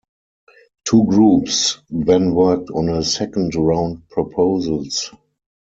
Two groups then worked on a second round proposals.